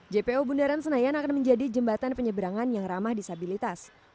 jpo bundaran senayan akan menjadi jembatan penyeberangan yang ramah disabilitas